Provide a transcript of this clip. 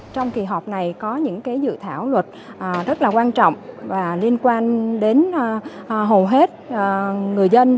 trong kỳ họp này có những dự thảo luật rất là quan trọng và liên quan đến hầu hết người dân